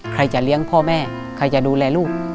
ใครจะเลี้ยงพ่อแม่ใครจะดูแลลูก